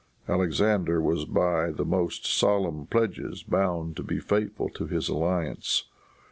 Alexander was by the most solemn pledges bound to be faithful to this alliance.